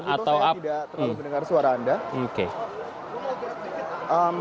atau saya tidak terlalu mendengar suara anda